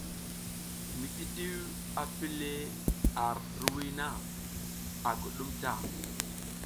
Mititiw a pi le ar hiriwiy na, a guɗum ta.